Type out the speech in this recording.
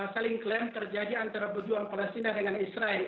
saling klaim terjadi antara pejuang palestina dengan israel